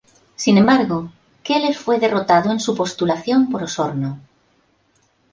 Sin embargo, Keller fue derrotado en su postulación por Osorno.